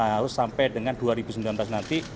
harus sampai dengan dua ribu sembilan belas nanti